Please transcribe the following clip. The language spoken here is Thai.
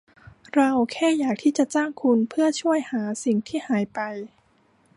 เราแค่อยากที่จะจ้างคุณเพื่อช่วยหาสิ่งที่หายไป